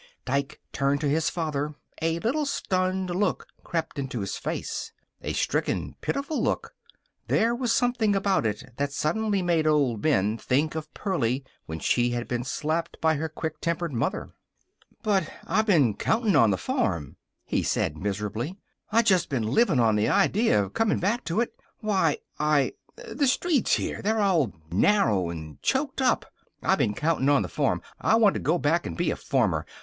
Dike turned to his father. A little stunned look crept into his face. A stricken, pitiful look. There was something about it that suddenly made old Ben think of Pearlie when she had been slapped by her quick tempered mother. "But I been countin' on the farm," he said miserably. "I just been livin' on the idea of comin' back to it. Why, I The streets here, they're all narrow and choked up. I been countin' on the farm. I want to go back and be a farmer.